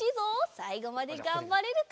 さいごまでがんばれるか？